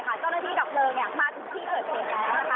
เจ้าหน้าที่ดับเพลิงมาถึงที่เกิดเหตุแล้วนะคะ